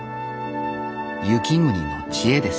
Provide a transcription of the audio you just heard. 雪国の知恵です